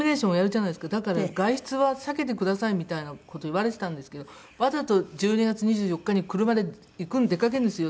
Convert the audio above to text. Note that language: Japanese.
だから外出は避けてくださいみたいな事言われてたんですけどわざと１２月２４日に車で出かけるんですよ